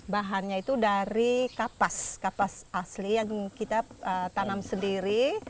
bahannya itu dari kapas kapas asli yang kita tanam sendiri